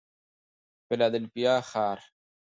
فیلادلفیا ښار